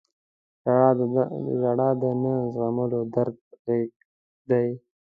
• ژړا د نه زغملو درد غږ دی.